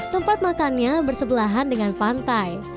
tempat makannya bersebelahan dengan pantai